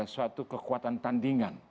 suatu kekuatan tandingan